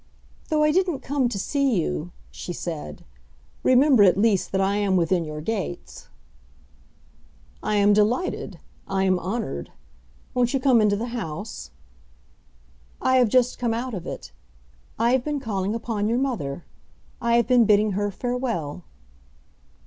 "Though I didn't come to see you," she said, "remember at least that I am within your gates." "I am delighted—I am honored! Won't you come into the house?" "I have just come out of it. I have been calling upon your mother. I have been bidding her farewell."